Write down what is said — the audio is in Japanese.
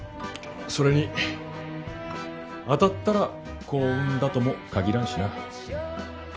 それに当たったら幸運だとも限らんしな。